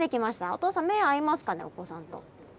お父さん目合いますかねお子さんと。